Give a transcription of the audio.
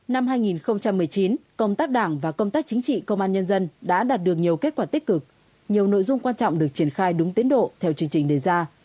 năm hai nghìn một mươi chín công tác đảng và công tác chính trị công an nhân dân đã đạt được nhiều kết quả tích cực nhiều nội dung quan trọng được triển khai đúng tiến độ theo chương trình đề ra